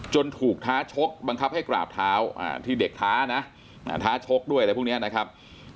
ถูกท้าชกบังคับให้กราบเท้าที่เด็กท้านะท้าชกด้วยอะไรพวกนี้นะครับ